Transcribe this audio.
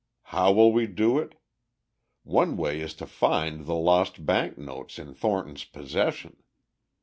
How will we do it? One way is to find the lost bank notes in Thornton's possession.